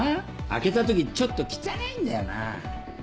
開けた時ちょっときちゃないんだよな。